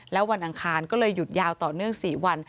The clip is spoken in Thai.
แล้ววันอังคารก็เลยหยุดยาวต่อเนื่อง๔วัน